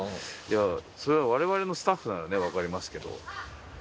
いやそれは我々のスタッフならねわかりますけど。